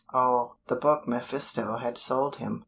oh! the book mephisto had sold him.